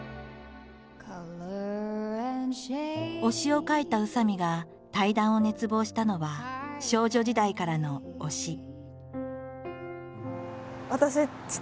「推し」を書いた宇佐見が対談を熱望したのは少女時代からの「推し」。